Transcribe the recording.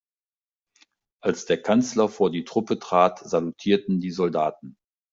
Als der Kanzler vor die Truppe trat, salutierten die Soldaten.